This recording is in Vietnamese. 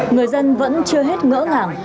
người dân vẫn chưa hết ngỡ ngàng